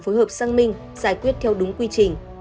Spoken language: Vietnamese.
phối hợp xăng minh giải quyết theo đúng quy trình